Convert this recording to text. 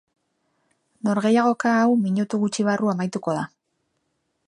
Norgehiagoka hau minutu gutxi barru amaituko da.